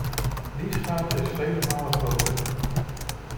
Die schade is vele malen groter.